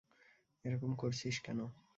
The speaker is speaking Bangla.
এরকম করছিস কেন?